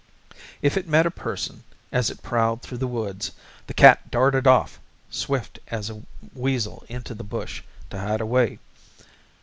If it met a person as it prowled through the woods, the cat darted off swift as a weasel into the bush to hide away.